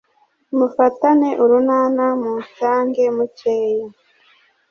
Mufatane urunana munsange mukeye